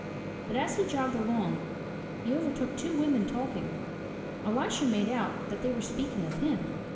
But as he jogged along he overtook two women talking. Elisha made out that they were speaking of him.